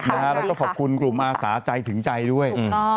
แล้วก็ขอบคุณกลุ่มอาสาใจถึงใจด้วย